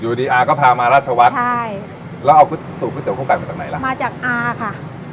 อยู่ดีอาก็พามาราชวัตรใช่แล้วเอาสูบก๋วยเตี๋ยวคั่วไก่มาจากไหนล่ะมาจากอาค่ะ